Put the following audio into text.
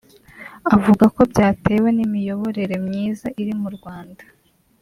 avuga ko byatewe n’imiyoborere myiza iri mu Rwanda